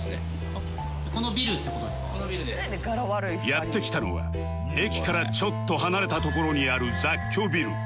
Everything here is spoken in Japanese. やって来たのは駅からちょっと離れた所にある雑居ビル